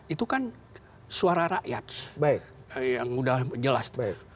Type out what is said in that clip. itu kan suara rakyat yang sudah jelas